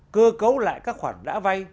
cơ cấu lại các khoản đã vay